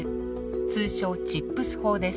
通称チップス法です。